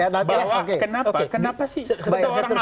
bahwa kenapa sih